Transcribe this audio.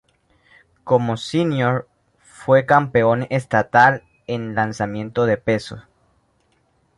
Como senior, fue campeón estatal en lanzamiento de peso.